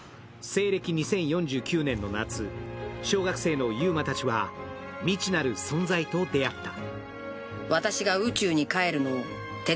西暦２０４９年の夏、小学生の悠真たちは未知なる存在と出会った。